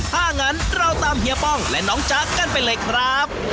ถ้างั้นเราตามเฮียป้องและน้องจ๊ะกันไปเลยครับ